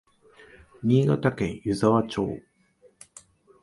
新潟県湯沢町